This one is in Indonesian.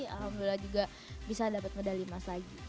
alhamdulillah juga bisa dapat medali emas lagi